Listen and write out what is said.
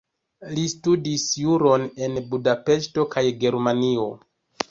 Li studis juron en Budapeŝto kaj Germanio.